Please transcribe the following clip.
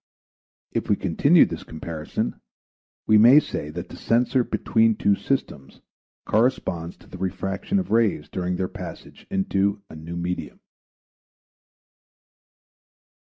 If we continue this comparison, we may say that the censor between two systems corresponds to the refraction of rays during their passage into a new medium.